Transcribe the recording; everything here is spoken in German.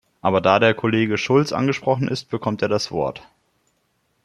Aber da der Kollege Schulz angesprochen ist, bekommt er das Wort.